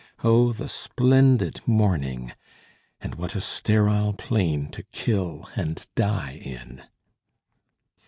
O the splendid morning, and what a sterile plain to kill and die in!